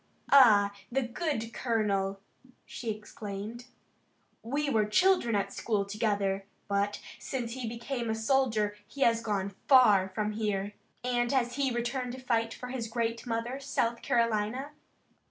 "Ah, the good colonel!" she exclaimed. "We were children at school together, but since he became a soldier he has gone far from here. And has he returned to fight for his great mother, South Carolina?"